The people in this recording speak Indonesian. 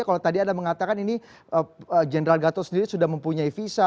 kalau tadi anda mengatakan ini general gatot sendiri sudah mempunyai visa